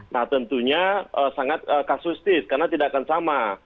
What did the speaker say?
nah tentunya sangat kasus tis karena tidak akan sama